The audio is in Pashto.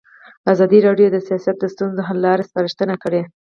ازادي راډیو د سیاست د ستونزو حل لارې سپارښتنې کړي.